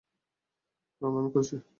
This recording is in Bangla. রঙ আমি করছি।